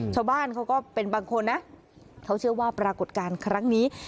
ชาวบ้านเขาก็เป็นบางคนนะเขาเชื่อว่าปรากฏการณ์ครั้งนี้